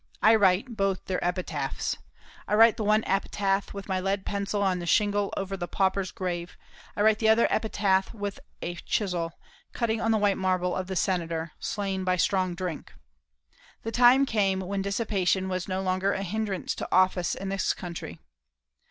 I write both their epitaphs. I write the one epitaph with my lead pencil on the shingle over the pauper's grave; I write the other epitaph with a chisel, cutting on the white marble of the senator: "Slain by strong drink." The time came when dissipation was no longer a hindrance to office in this country.